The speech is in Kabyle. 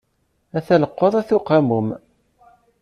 Ata llqeḍ, ata uqamum.